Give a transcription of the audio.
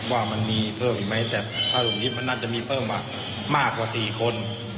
ว่ามันมีเพิ่มหรือไม่แต่ถ้าหลุมกิฟต์มันน่าจะมีเพิ่มมากกว่า๔คน